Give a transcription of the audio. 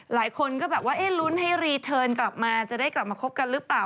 หลายคนก็แบบว่าเอ๊ะลุ้นให้รีเทิร์นกลับมาจะได้กลับมาคบกันหรือเปล่า